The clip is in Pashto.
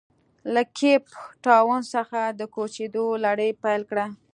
له کیپ ټاون څخه د کوچېدو لړۍ پیل کړه.